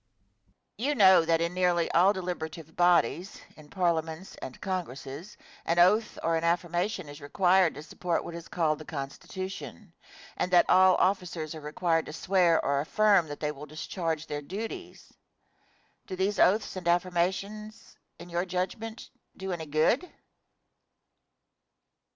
Question. You know that in nearly all deliberative bodies in parliaments and congresses an oath or an affirmation is required to support what is called the Constitution; and that all officers are required to swear or affirm that they will discharge their duties; do these oaths and affirmations, in your judgment, do any good?